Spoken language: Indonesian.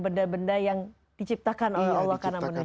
benda benda yang diciptakan oleh allah